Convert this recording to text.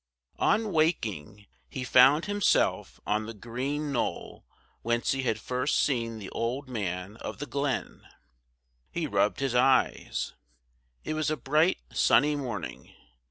On waking, he found himself on the green knoll whence he had first seen the old man of the glen. He rubbed his eyes it was a bright sunny morning.